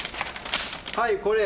はいこれ。